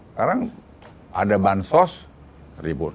sekarang ada bansos ribut